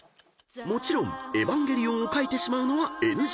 ［もちろん『エヴァンゲリオン』を描いてしまうのはＮＧ］